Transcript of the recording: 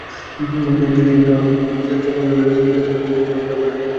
British বিমান মন্ত্রণালয়ের তথ্যানুযায়ী বিদ্রোহ দমনে তুর্কি বিমান ব্যবহারের অল্প রিপোর্ট রয়েছে।